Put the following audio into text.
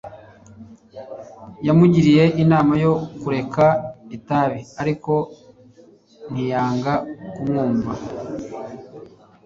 Yamugiriye inama yo kureka itabi ariko ntiyanga kumwumva